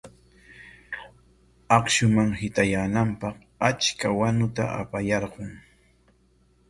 Akshuman hitayaananpaq achka wanuta apayarqun.